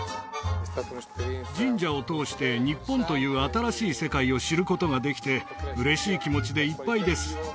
神社を通して日本という新しい世界を知ることができて嬉しい気持ちでいっぱいです